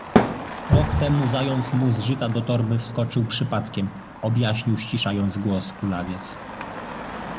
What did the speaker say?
Rok temu zając mu z żyta do torby wskoczył przypadkiem — objaśnił, ściszając głos, kulawiec.